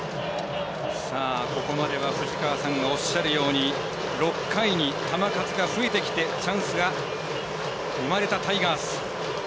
ここまでは藤川さんがおっしゃるように６回に球数が増えてきてチャンスが生まれたタイガース。